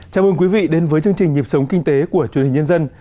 chào mừng quý vị đến với chương trình nhịp sống kinh tế của truyền hình nhân dân